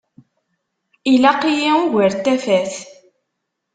Ilaq-iyi ugar n tafat.